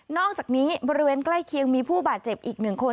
อกจากนี้บริเวณใกล้เคียงมีผู้บาดเจ็บอีกหนึ่งคน